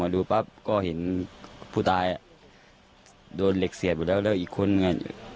ดูปั๊บก็เห็นผู้ตายโดนเหล็กเสียบอยู่แล้วแล้วอีกคนอ่ะ